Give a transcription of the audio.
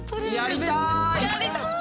やりたい！